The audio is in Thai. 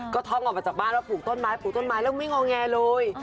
ก็ท่องออกมาจากบ้านแล้วปลูกต้นไม้ปลูกต้นไม้แล้วไม่งอแงเลย